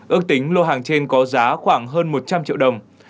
ước tính lô hàng trên có giá khoảng hơn một trăm linh triệu đồng